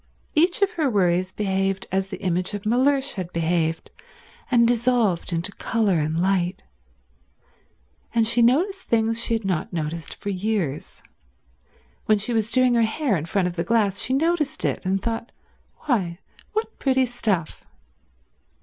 Each of her worries behaved as the image of Mellersh had behaved, and dissolved into colour and light. And she noticed things she had not noticed for years—when she was doing her hair in front of the glass she noticed it, and thought, "Why, what pretty stuff."